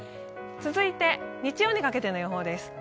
続いて日曜にかけての予報です。